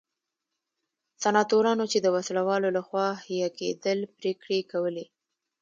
سناتورانو چې د وسله والو لخوا حیه کېدل پرېکړې کولې.